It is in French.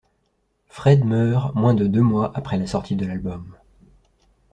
Fred meurt moins de deux mois après la sortie de l'album.